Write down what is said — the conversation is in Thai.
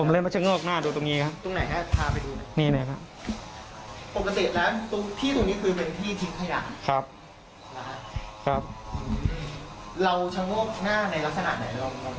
เราชงอกหน้าในลักษณะไหน